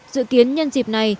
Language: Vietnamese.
dự kiến nhân dịp này